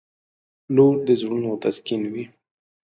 • لور د زړونو تسکین وي.